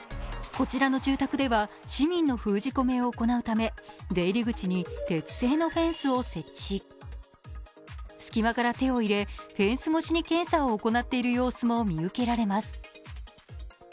こちらの住宅では市民の封じ込めを行うため出入り口に鉄製のフェンスを設置し、隙間から手を入れ、フェンス越しに検査を行っている様子も見受けられます。